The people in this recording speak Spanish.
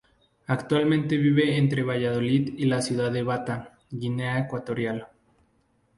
Actualmente vive entre Valladolid y la ciudad de Bata, Guinea Ecuatorial.